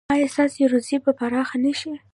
ایا ستاسو روزي به پراخه نه شي؟